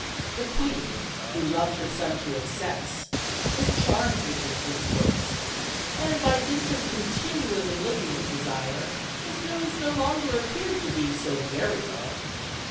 The queen, who loved her son to excess, was charmed with this dis course, and by dint of continually looking at Desire, his nose no longer appeared to be so very long.